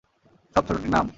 সব ছোটোটির নাম?